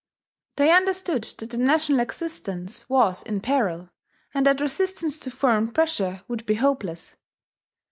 They understood that the national existence was in peril, and that resistance to foreign pressure would be hopeless.